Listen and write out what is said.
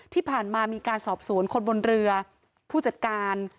ที่ผ่านมามีการสอบสวนคนบนเรือผู้จัดการ